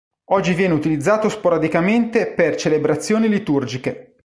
Oggi viene utilizzato sporadicamente per celebrazioni liturgiche.